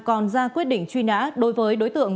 còn ra quyết định truy nã đối với đối tượng